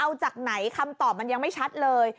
เอาจากไหนคำตอบมันยังไม่ชัดเลย